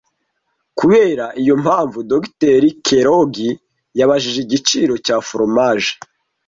Kubera iyo mpamvu Dogiteri Kelogi yabajije igiciro cya foromaje